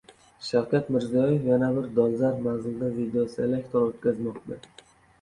Shavkat Mirziyoyev yana bir dolzarb mavzuda videoselektor o‘tkazmoqda